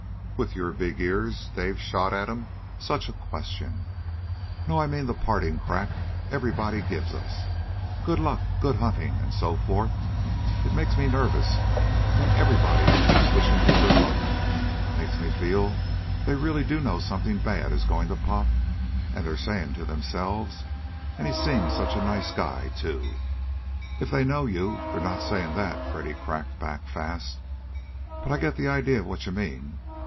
"With your big ears?" Dave shot at him. "Such a question! No. I mean the parting crack everybody gives us. Good luck, good hunting, and so forth. It makes me nervous when everybody keeps wishing me good luck. Makes me feel they really do know something bad is going to pop, and they're saying to themselves, 'And he seems such a nice guy, too!" "If they know you they're not saying that!" Freddy cracked back fast. "But I get the idea of what you mean.